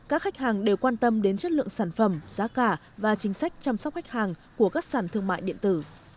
các khách hàng đều quan tâm đến chất lượng sản phẩm giá cả và chính sách chăm sóc khách hàng của các sản thương mại điện tử